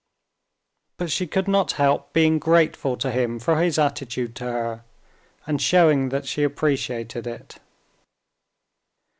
But she could not help being grateful to him for his attitude to her, and showing that she appreciated it.